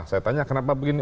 saya tanya kenapa begini